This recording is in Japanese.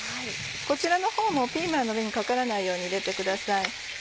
こちらのほうもピーマンの上にかからないように入れてください。